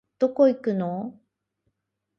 どこ行くのお